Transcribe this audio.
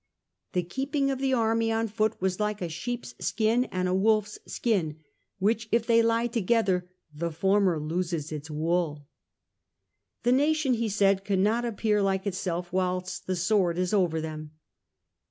The keeping of the army on foot was like a sheep's skin and a wolf's skin, ' which, if they lie together, the former loses its wool.' 'The nation,' he said, ' can not appear like itself whilst the sword is over them.